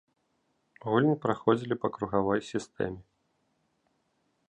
Гульні праходзілі па кругавой сістэме.